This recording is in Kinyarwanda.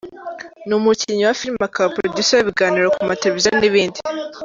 Ni umukinnyi wa filimi akaba producer w’ibiganiro ku mateleviziyo n’ibindi.